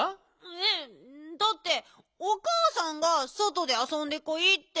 えっだっておかあさんがそとであそんでこいって。